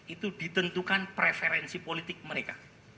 itu ditentukan preferensi politik mereka